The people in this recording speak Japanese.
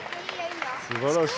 すばらしい。